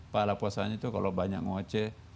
pala puasanya itu kalau banyak ngoceh